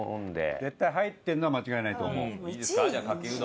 絶対入ってるのは間違いないと思う。